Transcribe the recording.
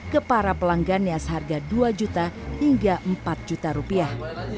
ke para pelanggannya seharga dua juta hingga empat juta rupiah